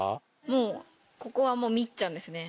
もうここはみっちゃんですね。